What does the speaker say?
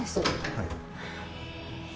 はい